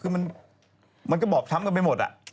คือมันก็บอบช้ำกันไปหมด